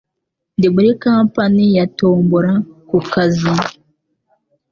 Ndi muri kapani ya tombora kukazi